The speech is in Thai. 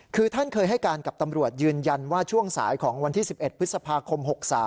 คือท่านเคยให้การกับตำรวจยืนยันว่าช่วงสายของวันที่๑๑พฤษภาคม๖๓